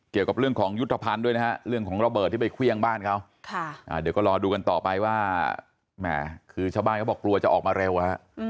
เกี่ยวกับเรื่องของยุทธภัณฑ์ด้วยนะฮะเรื่องของระเบิดที่ไปเครื่องบ้านเขาเดี๋ยวก็รอดูกันต่อไปว่าแหม่คือชาวบ้านเขาบอกกลัวจะออกมาเร็วฮะ